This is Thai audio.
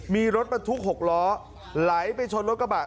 มีรถประทุกหกล้อไหลไปชนรถกระเป๋า